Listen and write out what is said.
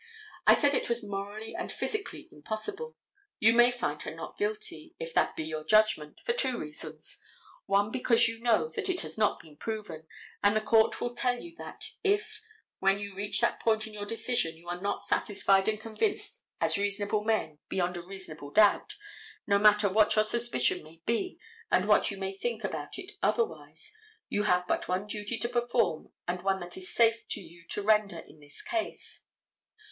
I said it was morally and physically impossible. You may find her not guilty, if that be your judgment, for two reasons. One because you know that it has not been proven. And the court will tell you that if, when you reach that point in your decision, you are not satisfied and convinced as reasonable men, beyond a reasonable doubt, no matter what your suspicions may be and what you may think about it otherwise, you have but one duty to perform and one that is safe to you to render in this case.